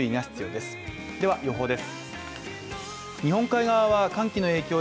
では予報です。